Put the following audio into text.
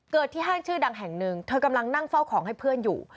ที่ห้างชื่อดังแห่งหนึ่งเธอกำลังนั่งเฝ้าของให้เพื่อนอยู่